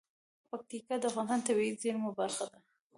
پکتیکا د افغانستان د طبیعي زیرمو برخه ده.